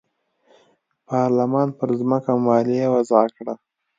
پارلمان پر ځمکو مالیه وضعه کړه.